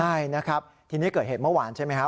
ใช่นะครับทีนี้เกิดเหตุเมื่อวานใช่ไหมครับ